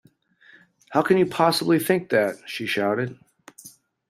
How can you possibly think that? she shouted